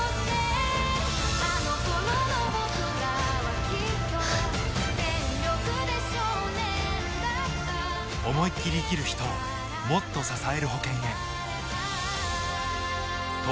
「あの頃の僕らはきっと全力で少年だった」「思いっ切り生きる人をもっと支える保険へ」